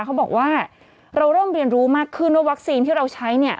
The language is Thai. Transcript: เขาบอกว่าเราเริ่มเรียนรู้มากขึ้นว่าวัคซีนที่เราใช้เนี่ย